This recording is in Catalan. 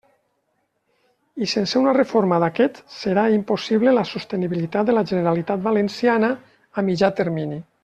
I sense una reforma d'aquest, serà impossible la sostenibilitat de la Generalitat Valenciana a mitjà termini.